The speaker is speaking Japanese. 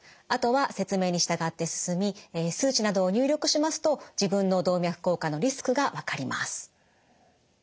あとは説明に従って進み数値などを入力しますと自分の動脈硬化のリスクが分かります。